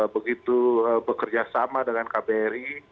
begitu bekerja sama dengan kbri